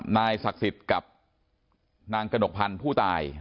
นายศักดิ์สิทธิ์กับนางกระหนกพันธุ์ผู้ตาย